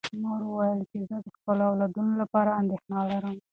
مور وویل چې زه د خپلو اولادونو لپاره اندېښنه لرم.